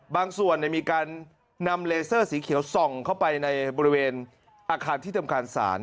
บางส่วนมีการนำเลเซอร์สีเขียวส่องเข้าไปในบริเวณอาคารที่ทำการศาล